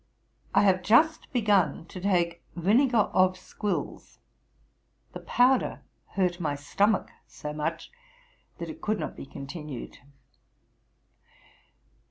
I have just begun to take vinegar of squills. The powder hurt my stomach so much, that it could not be continued.